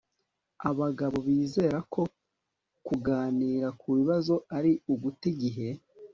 Abagabo bizera ko kuganira kubibazo ari uguta igihe